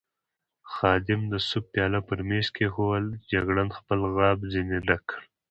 خادم د سوپ پیاله پر مېز کېښوول، جګړن خپل غاب ځنې ډک کړ.